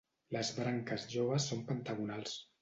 Les branques joves són pentagonals.